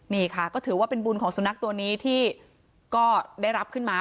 นี่ค่ะก็ถือว่าเป็นบุญของสุนัขตัวนี้ที่ก็ได้รับขึ้นมา